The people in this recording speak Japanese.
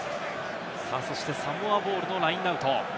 サモアボールのラインアウト。